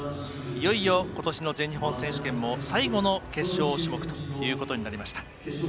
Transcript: いよいよことしの全日本選手権も最後の決勝種目となりました。